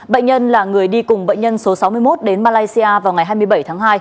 bệnh nhân là người đi cùng bệnh nhân số sáu mươi một đến malaysia vào ngày hai mươi bảy tháng hai